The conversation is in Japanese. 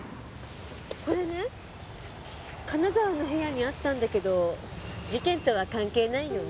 これね金澤の部屋にあったんだけど事件とは関係ないよね？